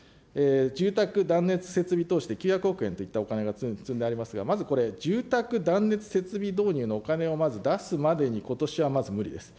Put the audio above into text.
住宅断熱設備投資で９００億円といったお金が積んでありますが、まずこれ、住宅断熱設備導入のお金をまず出すまでに、ことしはまず無理です。